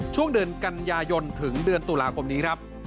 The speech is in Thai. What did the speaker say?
ช่วงเดือนกันยายนถึงเดือนตุลาคมนี้ครับ